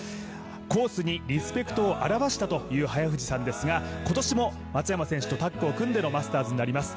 コースにリスペクトを表したという早藤さんですが、今年も松山選手とタッグを組んでのマスターズとなります。